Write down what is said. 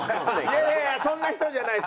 いやいやそんな人じゃない。